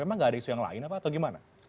emang gak ada isu yang lain apa atau gimana